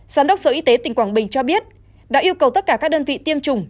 giám đốc sở y tế tỉnh quảng bình cho biết đã yêu cầu tất cả các đơn vị tiêm chủng